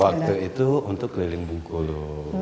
waktu itu untuk keliling bungkulu